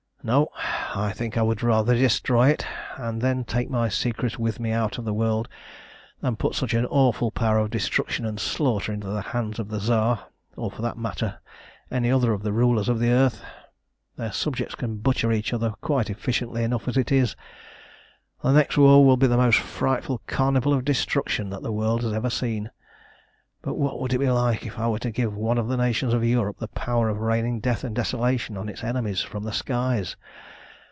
"No, I think I would rather destroy it, and then take my secret with me out of the world, than put such an awful power of destruction and slaughter into the hands of the Tsar, or, for the matter of that, any other of the rulers of the earth. Their subjects can butcher each other quite efficiently enough as it is. The next war will be the most frightful carnival of destruction that the world has ever seen; but what would it be like if I were to give one of the nations of Europe the power of raining death and desolation on its enemies from the skies!